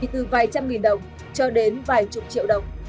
từ vài trăm nghìn đồng cho đến vài chục triệu đồng